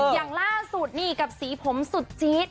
อย่างล่าสุดนี่กับสีผมสุดจี๊ด